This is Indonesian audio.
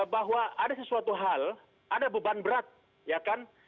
bahwa ada sesuatu hal ada beban berat ya kan